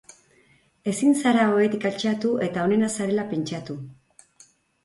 Ezin zara ohetik altxatu eta onena zarela pentsatu.